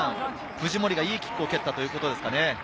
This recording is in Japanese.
藤森がいいキックを蹴ったということですかね。